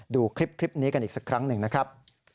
ดูคลิปนี้กันอีกสักครั้งหนึ่งนะครับ